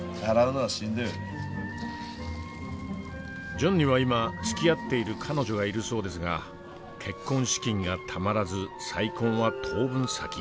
ジョンには今つきあっている彼女がいるそうですが結婚資金がたまらず再婚は当分先。